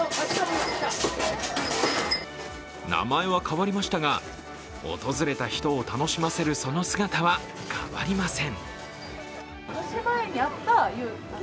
名前は変わりましたが、訪れた人を楽しませるその姿は変わりません。